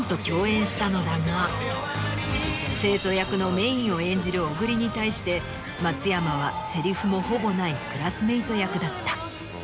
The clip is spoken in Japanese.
ここで。を演じる小栗に対して松山はセリフもほぼないクラスメート役だった。